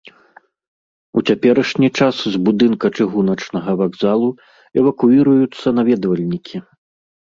У цяперашні час з будынка чыгуначнага вакзалу эвакуіруюцца наведвальнікі.